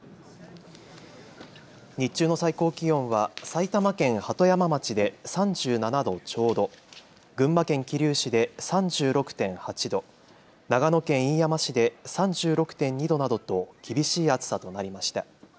日中の最高気温は埼玉県鳩山町で３７度ちょうど、群馬県桐生市で３６．８度、長野県飯山市で３６．２度などと厳しい暑さとなりました。